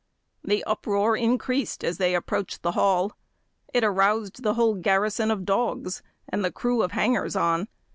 The uproar increased as they approached the Hall; it aroused the whole garrison of dogs, and the crew of hangers on.